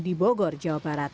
di bogor jawa barat